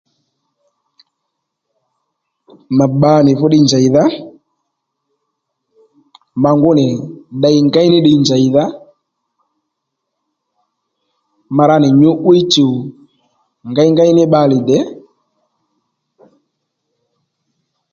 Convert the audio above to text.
Mà bba nì fú ddiy njèydha ma ngú nì ddey ngéyní ddiy njèydha ma ra nì nyǔ'wiy chuw ngengéy ní bbalè dè